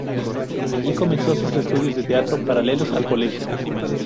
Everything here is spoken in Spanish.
Allí comenzó sus estudios de Teatro paralelos al colegio.